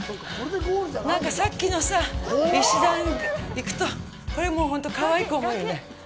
なんかさっきのさ、石段行くとこれもう本当、かわいく思えるね。